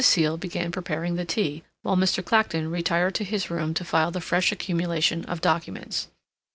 Seal began preparing the tea, while Mr. Clacton retired to his room to file the fresh accumulation of documents.